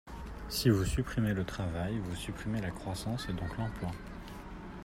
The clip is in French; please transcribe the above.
Si vous supprimez le travail, vous supprimez la croissance, et donc l’emploi.